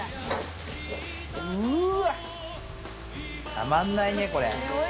たまんないね、これ。